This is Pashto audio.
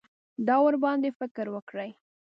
دا ورباندې فکر وکړي.